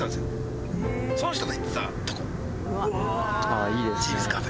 ああいいですね。